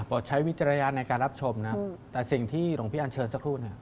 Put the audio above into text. เปิดใช้วิจารณาในการรับชมนะแต่สิ่งที่โรงพิอานเชิญสักครู่